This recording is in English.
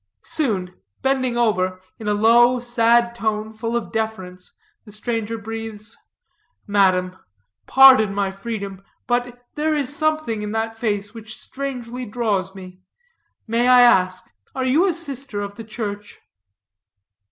Soon, bending over, in a low, sad tone, full of deference, the stranger breathes, "Madam, pardon my freedom, but there is something in that face which strangely draws me. May I ask, are you a sister of the Church?"